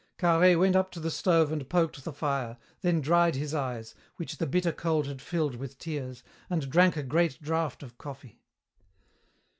Carhaix went up to the stove and poked the fire, then dried his eyes, which the bitter cold had filled with tears, and drank a great draught of coffee.